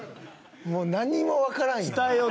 もう何も分からんよ。